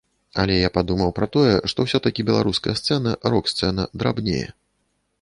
Але я падумаў пра тое, што ўсё-такі беларуская сцэна, рок-сцэна, драбнее.